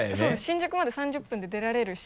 新宿まで３０分で出られるし。